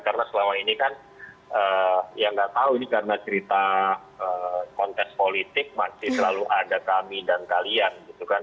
karena selama ini kan yang nggak tahu ini karena cerita konteks politik masih selalu ada kami dan kalian gitu kan